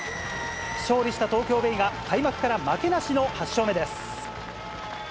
勝利した東京ベイが、開幕から負けなしの８勝目です。